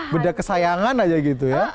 beda kesayangan aja gitu ya